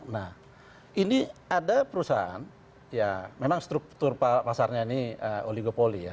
nah ini ada perusahaan ya memang struktur pasarnya ini oligopoli ya